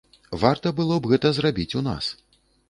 Варта было б гэта зрабіць у нас.